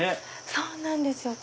そうなんですよ。